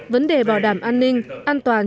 vấn đề bảo đảm an ninh an toàn